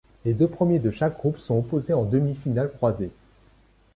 Les deux premiers de chaque groupe sont opposés en demi-finale croisée.